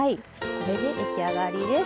これで出来上がりです。